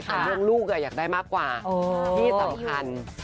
แต่เรื่องลูกอยากได้มากกว่าที่สำคัญ